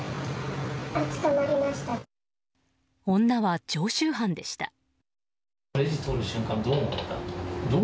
女は常習犯でした。